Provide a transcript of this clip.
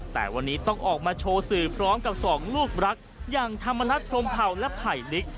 แต่วันนี้ต้องออกมาโชว์สื่อพร้อมกับสองลูกรักอย่างธรรมนัฐพรมเผาและไผ่ลิก